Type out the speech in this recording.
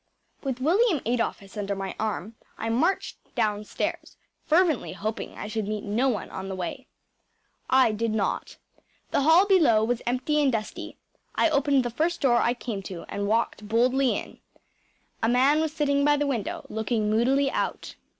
With William Adolphus under my arm I marched downstairs, fervently hoping I should meet no one on the way. I did not. The hall below was empty and dusty. I opened the first door I came to and walked boldly in. A man was sitting by the window, looking moodily out.